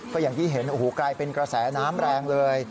ก็อย่างที่เห็นโอ้โหกลายเป็นกระแสน้ำแรงเลย